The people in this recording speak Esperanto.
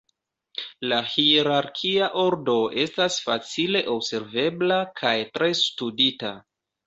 La hierarkia ordo estas facile observebla kaj tre studita.